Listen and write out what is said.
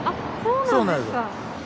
そうなんですよ。